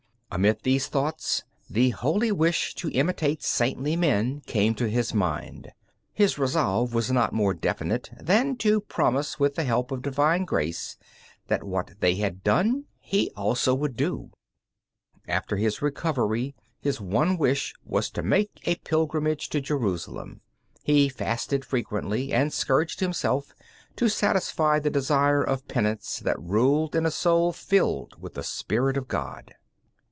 Amid these thoughts the holy wish to imitate saintly men came to his mind; his resolve was not more definite than to promise with the help of divine grace that what they had done he also would do. After his recovery his one wish was to make a pilgrimage to Jerusalem. He fasted frequently and scourged himself to satisfy the desire of penance that ruled in a soul filled with the spirit of God.